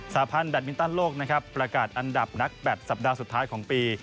สาพันธ์แดดมินตันโลกนะครับประกาศอันดับนักแบตสัปดาห์สุดท้ายของปี